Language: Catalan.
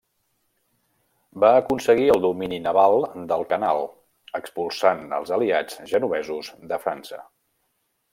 Va aconseguir el domini naval del Canal expulsant els aliats genovesos de França.